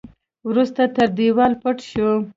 وروسته تر دېوال پټ شو.